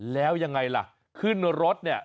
แล้วยังไงล่ะขึ้นรถเนี่ย